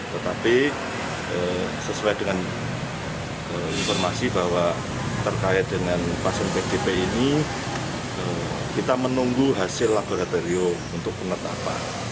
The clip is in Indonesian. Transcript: tetapi sesuai dengan informasi bahwa terkait dengan pasien pdp ini kita menunggu hasil laboratorium untuk penetapan